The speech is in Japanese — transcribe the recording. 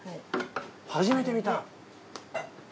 初めて見た。